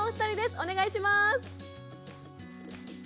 お願いします。